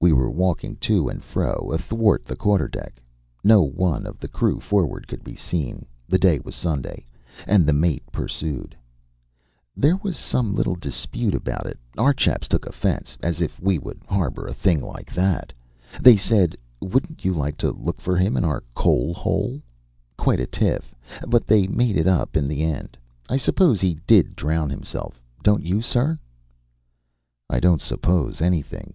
We were walking to and fro athwart the quarter deck. No one of the crew forward could be seen (the day was Sunday), and the mate pursued: "There was some little dispute about it. Our chaps took offense. 'As if we would harbor a thing like that,' they said. 'Wouldn't you like to look for him in our coal hole?' Quite a tiff. But they made it up in the end. I suppose he did drown himself. Don't you, sir?" "I don't suppose anything."